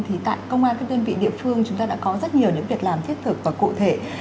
thì tại công an các đơn vị địa phương chúng ta đã có rất nhiều những việc làm thiết thực và cụ thể